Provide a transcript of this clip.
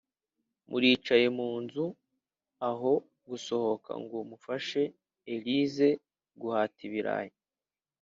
Muricaye mu nzu, ahon gusohoka ngo mufashe elyse guhata ibirayi